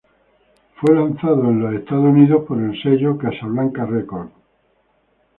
Fue lanzado el para los Estados Unidos por el sello Casablanca Records.